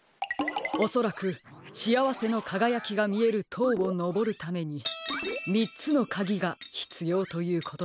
おそらく「しあわせのかがやき」がみえるとうをのぼるために３つのかぎがひつようということでしょう。